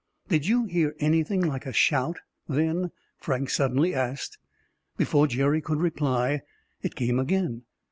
"Did you hear anything like a shout then?" Frank suddenly asked. Before Jerry could reply, it came again.